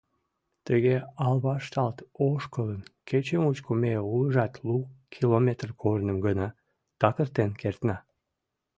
Тыге алмашталт ошкылын, кече мучко ме улыжат лу километр корным гына такыртен кертна.